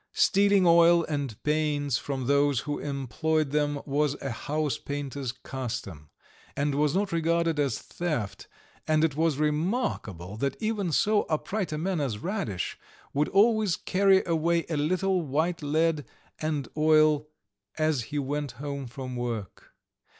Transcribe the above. Stealing oil and paints from those who employed them was a house painter's custom, and was not regarded as theft, and it was remarkable that even so upright a man as Radish would always carry away a little white lead and oil as he went home from work.